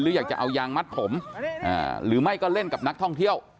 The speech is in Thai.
อยากจะเอายางมัดผมหรือไม่ก็เล่นกับนักท่องเที่ยว